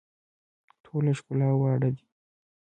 ټوله ښکلا واړه دي.